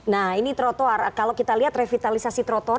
nah ini trotoar kalau kita lihat revitalisasi trotoar